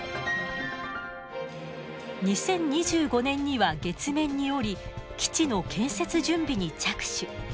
２０２５年には月面に降り基地の建設準備に着手。